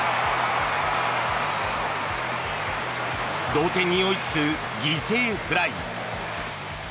同点に追いつく犠牲フライ。